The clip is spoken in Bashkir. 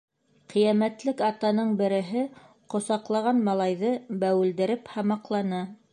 Ҡиәмәтлек атаның береһе ҡосаҡлаған малайҙы бәүелдереп һамаҡланы: